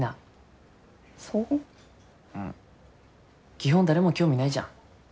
基本誰も興味ないじゃん。